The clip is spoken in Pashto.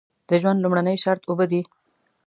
د ژوند لومړنی شرط اوبه دي.